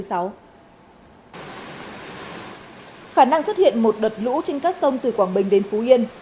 khả năng xuất hiện một đợt lũ trên các sông từ quảng bình đến phú yên